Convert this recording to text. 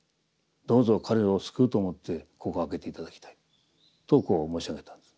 どうぞ彼を救うと思ってここを開けて頂きたい」とこう申し上げたんです。